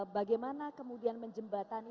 bagaimana kemudian menjembatani negara negara lainnya